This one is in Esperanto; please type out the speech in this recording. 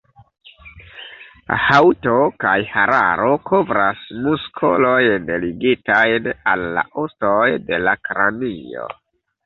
Haŭto kaj hararo kovras muskolojn ligitajn al la ostoj de la kranio.